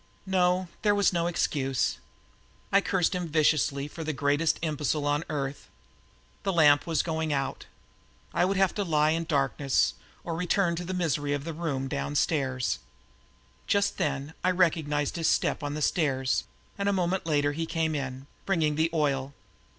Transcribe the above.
No, there was no excuse. I cursed him viciously for the greatest imbecile on earth. The lamp was going out. I would have to lie in darkness or return to the misery of the back room downstairs. Just then I recognized his step on the stairs and a moment later he came in, bringing the oil.